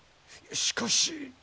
しかし。